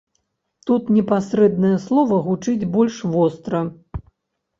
Тут непасрэднае слова гучыць больш востра.